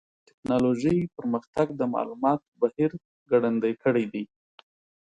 د ټکنالوجۍ پرمختګ د معلوماتو بهیر ګړندی کړی دی.